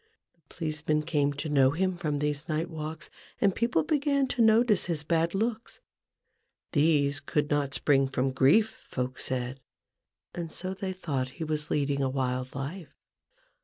The policemen came to know him from these night walks, and people began to notice his bad looks : these could not spring from grief, folk said, and so they thought he was leading a wild life.